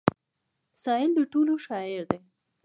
سايل د ټولو شاعر دی.